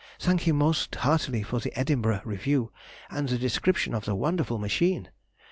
Thank him most heartily for the "Edinburgh Review," and the description of the wonderful machine....